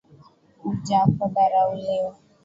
Ujapodharauliwa